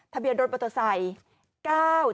ทะเบียนรถประตาไซค์๙๗๔๑